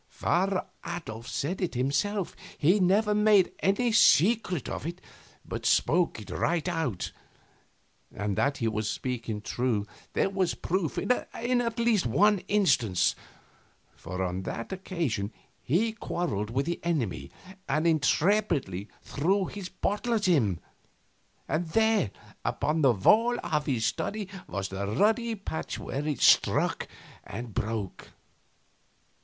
Father Adolf said it himself. He never made any secret of it, but spoke it right out. And that he was speaking true there was proof in at least one instance, for on that occasion he quarreled with the enemy, and intrepidly threw his bottle at him; and there, upon the wall of his study, was the ruddy splotch where it struck and broke.